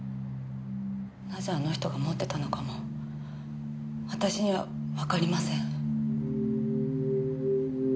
なぜあの人が持ってたのかも私にはわかりません。